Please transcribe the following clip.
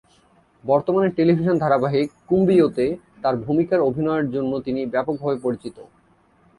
বর্তমানে টেলিভিশন ধারাবাহিক "কুম্বিও"-তে তার ভূমিকায় অভিনয়ের জন্য তিনি ব্যাপকভাবে পরিচিত।